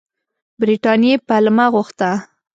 برټانیې پلمه غوښته.